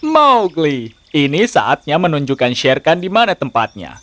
mowgli ini saatnya menunjukkan shere khan di mana tempatnya